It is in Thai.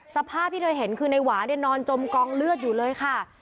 สภาพที่เธอเห็นคือในหวาเนี่ยนอนจมกองเลือดอยู่เลยค่ะ